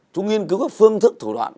chúng nghiên cứu các phương thức thủ đoạn